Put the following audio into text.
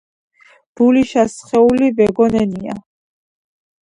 ბულიშა სხული ვეგიჸონენია.